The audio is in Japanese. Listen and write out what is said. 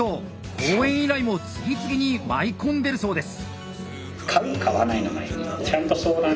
講演依頼も次々に舞い込んでるそうです。